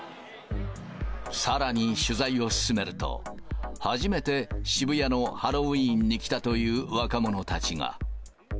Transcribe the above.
さらに取材を進めると、初めて渋谷のハロウィーンに来たという若者たちが。